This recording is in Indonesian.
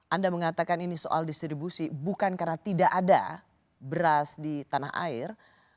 anda mengatakan ini soal distribusi bukan karena tidak ada beras di tanah air